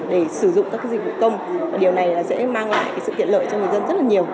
để sử dụng các dịch vụ công điều này sẽ mang lại sự tiện lợi cho người dân rất là nhiều